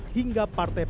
hingga partai penolakan